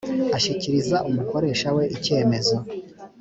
ashyikiriza umukoresha we icyemezo